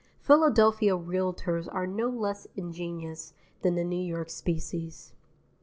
(Philadelphia realtors are no less ingenious than the New York species.)